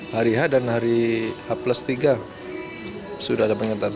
hari h dan hari h plus tiga sudah ada penyertaan